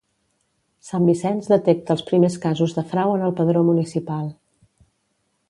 Sant Vicenç detecta els primers casos de frau en el padró municipal